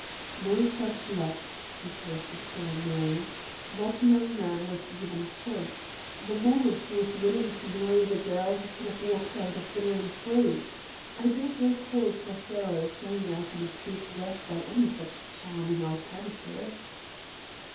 "No such luck," he corrected grimly. "That young man was given a choice. The moment he was willing to marry the girl he could have walked out of the room free. I do not recall Prothero's saying I can escape death by any such charming alternative."